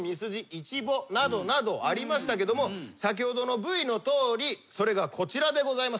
イチボなどありましたけども先ほどのＶのとおりそれがこちらでございます。